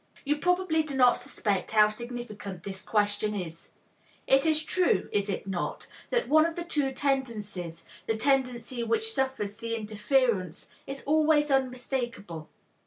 You probably do not suspect how significant this question is. It is true, is it not, that one of the two tendencies, the tendency which suffers the interference, is always unmistakable?